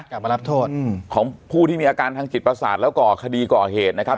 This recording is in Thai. กลับมารับโทษของผู้ที่มีอาการทางจิตประสาทแล้วก่อคดีก่อเหตุนะครับ